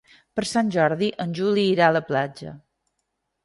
Per Sant Jordi en Juli irà a la platja.